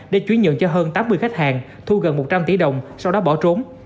để chuyển nhận cho hơn tám mươi khách hàng thu gần một trăm linh tỷ đồng sau đó bỏ trốn